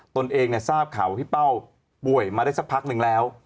ตนเองทราบข่าวว่าพี่เป้าป่วยมาได้สักพักหนึ่งแล้ว